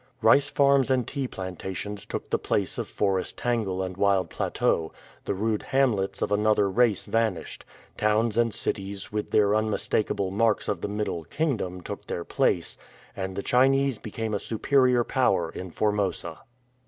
"Rice farms and tea plantations took the place of forest tangle and wild plateau ; the rude hamlets of another race vanished; towns and cities with their unmistakable marks of the ' Middle Kingdom ' took their place ; and the Chinese became a superior power in Formosa.